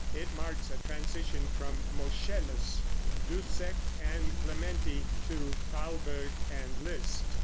It marks a transition from Moscheles, Dussek and Clementi to Thalberg and Liszt.